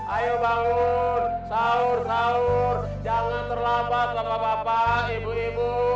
ayo bangun sahur sahur jangan terlambat bapak bapak ibu ibu